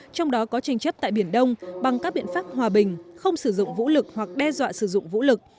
trong đó có tranh chấp tại biển đông bằng các biện pháp hòa bình không sử dụng vũ lực hoặc đe dọa sử dụng vũ lực